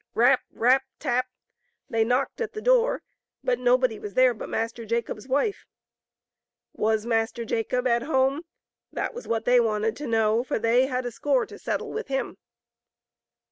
Rap ! rap ! tap ! they knocked at the door, but nobody was there but Master Jacob's wife. Was Master Jacob at home? That was what they wanted to know, for they had a score to settle with him.